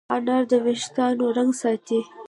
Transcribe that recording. انار د وېښتانو رنګ ساتي.